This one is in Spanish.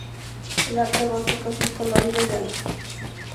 El arte gótico es muy colorido y alto.